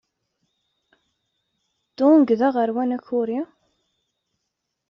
Dong d aɣerman akuri.